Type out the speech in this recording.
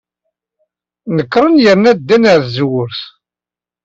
Nekren yerna ddan ɣer tzewwut.